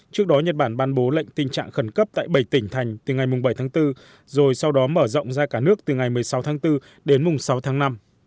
trước đó nhật bản ban bố lệnh tình trạng khẩn cấp tại bảy tỉnh thành từ ngày bảy tháng bốn rồi sau đó mở rộng ra cả nước từ ngày một mươi sáu tháng bốn đến sáu tháng năm